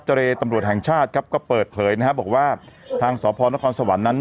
เจรตำรวจแห่งชาติครับก็เปิดเผยนะฮะบอกว่าทางสพนครสวรรค์นั้น